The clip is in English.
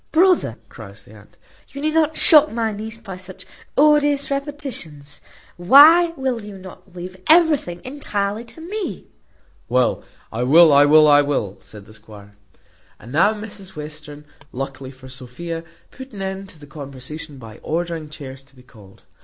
"Brother," cries the aunt, "you need not shock my niece by such odious repetitions. Why will you not leave everything entirely to me?" "Well, well, I wull, I wull," said the squire. And now Mrs Western, luckily for Sophia, put an end to the conversation by ordering chairs to be called.